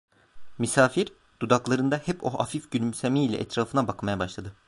Misafir dudaklarında hep o hafif gülümseme ile etrafına bakmaya başladı: